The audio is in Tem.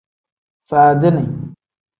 Faadini.